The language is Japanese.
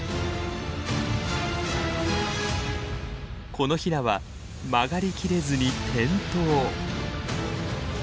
このヒナは曲がりきれずに転倒。